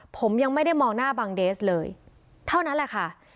ผมยังไม่ได้มองหน้าบางเดสเลยเท่านั้นแหละค่ะ